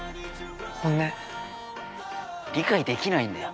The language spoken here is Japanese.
理解できないんだよ